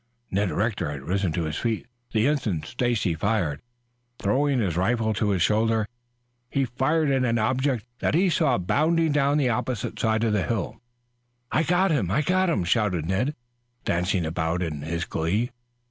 Ned Rector had risen to his feet the instant Stacy fired. Throwing his rifle to shoulder, he fired at an object that he saw bounding down the opposite side of the hill. "I got him! I got him!" shouted Ned, dancing about in his glee.